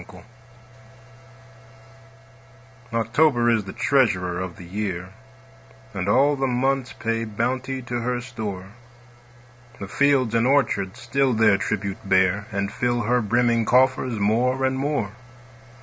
OCTOBER October is the treasurer of the year, And all the months pay bounty to her store; The fields and orchards still their tribute bear, And fill her brimming coffers more and more.